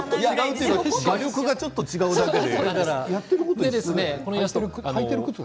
画力がちょっと違うだけで。